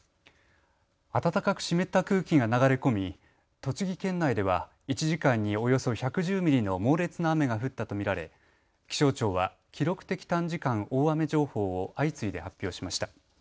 暖かく湿った空気が流れ込み栃木県内では１時間におよそ１１０ミリの猛烈な雨が降ったと見られ、気象庁は記録的短時間大雨情報を相次いで発表しました。